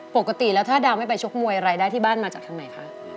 ปกติแล้วถ้าดาวไม่ไปชกมวยรายได้ที่บ้านมาจากทางไหนคะ